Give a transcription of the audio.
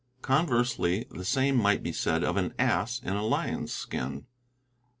Conversely, the same might be said of an ass in a lion's skin.